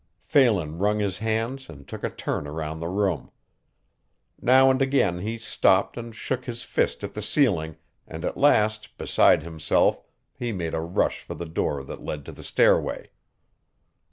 Phelan wrung his hands and took a turn around the room. Now and again he stopped and shook his fist at the ceiling, and at last, beside himself, he made a rush for the door that led to the stairway.